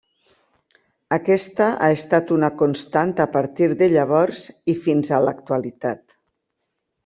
Aquesta ha estat una constant a partir de llavors i fins a l'actualitat.